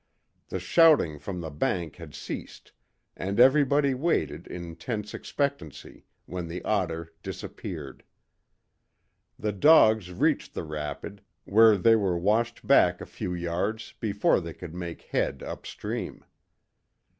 The shouting from the bank had ceased, and everybody waited in tense expectancy, when the otter disappeared. The dogs reached the rapid, where they were washed back a few yards before they could make head up stream.